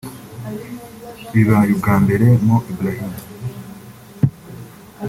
Bibaye ubwa mbere Mo Ibrahim